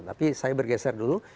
tapi saya bergeser dulu